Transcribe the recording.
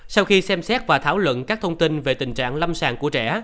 sau khi xem xét và thảo luận các thông tin về tình trạng lâm sàng của trẻ